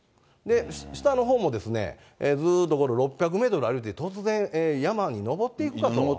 下のほうも、ずーっとこれ、６００メートル歩いて突然、山に登っていくかというと。